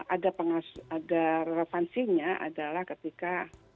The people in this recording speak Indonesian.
ada relevansinya adalah ketika